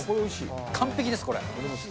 完璧です、これ。